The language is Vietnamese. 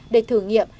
để thử nghiệm